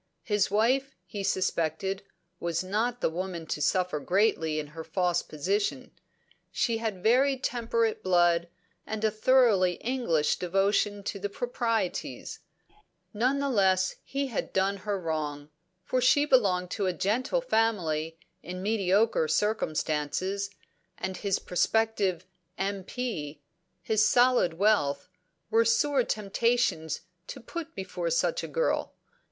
His wife, he suspected, was not the woman to suffer greatly in her false position; she had very temperate blood, and a thoroughly English devotion to the proprieties; none the less he had done her wrong, for she belonged to a gentle family in mediocre circumstances, and his prospective "M.P.," his solid wealth, were sore temptations to put before such a girl.